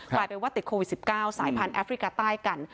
กลายเป็นว่าติดโควิด๑๙สายพันธุแอฟริกาใต้กัน